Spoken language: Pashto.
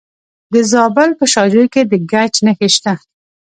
د زابل په شاجوی کې د ګچ نښې شته.